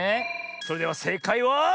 それではせいかいは。